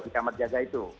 di kamar jaga itu